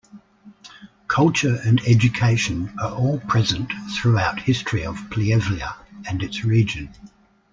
Culture and education are all present throughout history of Pljevlja and its region.